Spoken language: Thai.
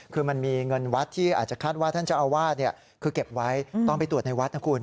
คือมันมีเงินวัดที่อาจจะคาดว่าท่านเจ้าอาวาสคือเก็บไว้ตอนไปตรวจในวัดนะคุณ